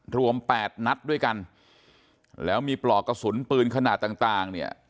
แปดนัดด้วยกันแล้วมีปลอกกระสุนปืนขนาดต่างต่างเนี่ย